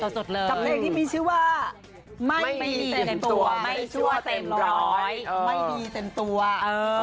คำเรียกที่มีชื่อว่า